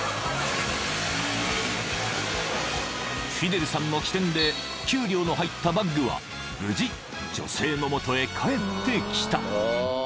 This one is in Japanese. ［フィデルさんの機転で給料の入ったバッグは無事女性の元へかえってきた］